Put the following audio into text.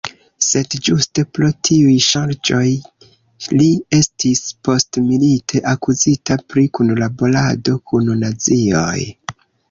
Sed ĝuste pro tiuj ŝarĝoj li estis, postmilite, akuzita pri kunlaborado kun nazioj.